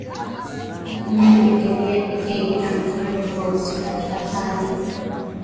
Lakini Brigedia Ekenge amesema tofauti katika taarifa